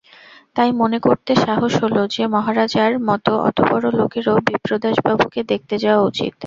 তাই মনে করতে সাহস হল যে মহারাজার মতো অতবড়ো লোকেরও বিপ্রদাসবাবুকে দেখতে যাওয়া উচিত।